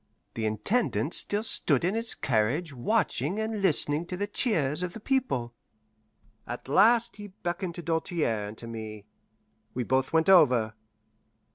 The Intendant still stood in his carriage watching and listening to the cheers of the people. At last he beckoned to Doltaire and to me. We both went over.